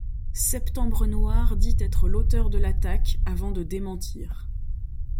Septembre Noir dit être l’auteur de l’attaque, avant de démentir.